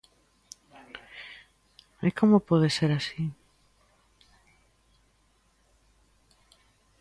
E como pode ser así?